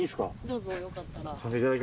どうぞよかったら。